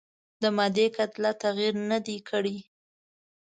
د مادې کتله تغیر نه دی کړی.